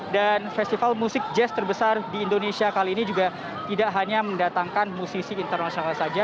dan festival musik jazz terbesar di indonesia kali ini juga tidak hanya mendatangkan musisi internasional saja